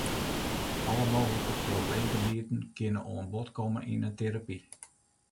Alle mooglike probleemgebieten kinne oan bod komme yn 'e terapy.